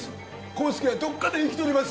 康介はどっかで生きとります